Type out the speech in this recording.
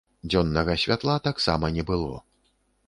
Дзённага святла таксама не было.